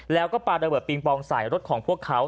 แล้วก็ปลาระเบิดปิงปองใส่รถของพวกเขา